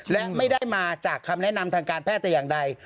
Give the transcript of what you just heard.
และไม่ได้มาจากคำแนะนำทางการแพทย์แต่อย่างใด